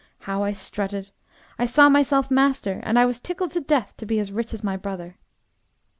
How I strutted! I saw myself master, and I was tickled to death to be as rich as my brother.